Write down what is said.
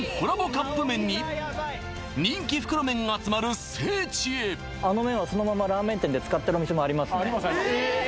カップ麺に人気袋麺が集まる聖地へあの麺をそのままラーメン店で使ってるお店もありますねえーっ！？